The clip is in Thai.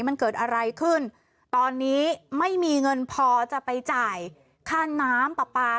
มันเกิดอะไรขึ้นตอนนี้ไม่มีเงินพอจะไปจ่ายค่าน้ำปลาปลา